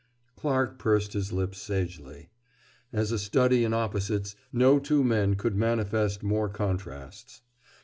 Clarke pursed his lips sagely. As a study in opposites, no two men could manifest more contrasts.